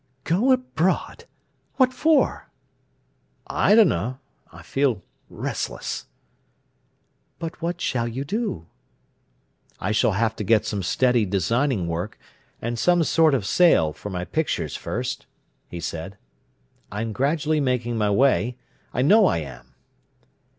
"Go abroad! What for?" "I dunno! I feel restless." "But what shall you do?" "I shall have to get some steady designing work, and some sort of sale for my pictures first," he said. "I am gradually making my way. I know I am."